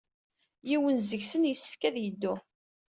Yiwen seg-sen yessefk ad yeddu.